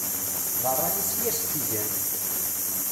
D ṛṛay-is i yas-tt-igan.